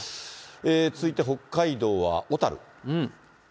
続いて北海道は小樽。